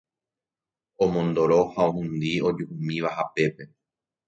Omondoro ha ohundi ojuhumíva hapépe